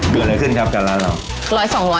เบื่ออะไรขึ้นครับการร้านเรา